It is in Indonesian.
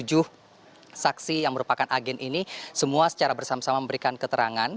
tujuh saksi yang merupakan agen ini semua secara bersama sama memberikan keterangan